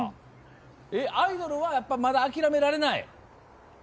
アイドルはまだ諦められない？